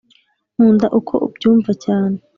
nkunda uko ubyumva cyane